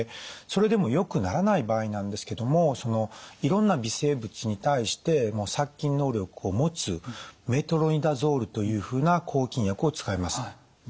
それでもよくならない場合なんですけどもいろんな微生物に対して殺菌能力を持つメトロニダゾールというふうな抗菌薬を使います。